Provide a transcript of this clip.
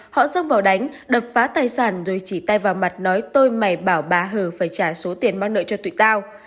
họ xông vào đánh đập phá tài sản rồi chỉ tay vào mặt nói tôi mày bảo bà hờ phải trả số tiền mắc nợ cho tụi tao